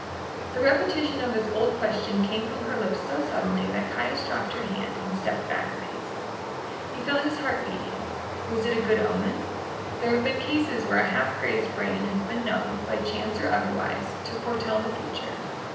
The repetition of this old question came from her lips so suddenly that Caius dropped her hand and stepped back a pace. He felt his heart beating. Was it a good omen? There have been cases where a half crazed brain has been known, by chance or otherwise, to foretell the future.